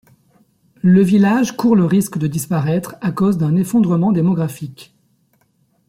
Le village court le risque de disparaître à cause d'un effondrement démographique.